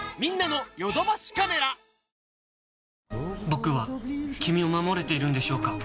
僕は君を守れているんでしょうか？